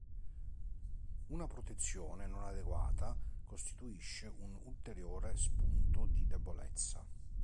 Una protezione non adeguata costituisce un ulteriore spunto di debolezza.